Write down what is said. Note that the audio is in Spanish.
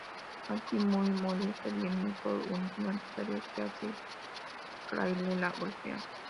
Jackie, muy molesta, viene y por un comentario que hace Claire la golpea.